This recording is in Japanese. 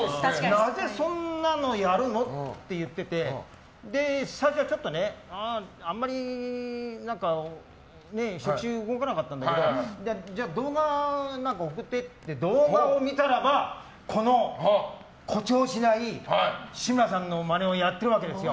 なぜそんなのやるの？って言ってて最初は、あんまり食指が動かなかったんだけど動画を送ってって動画を見たらば、この誇張しない志村さんのマネをやってるわけですよ。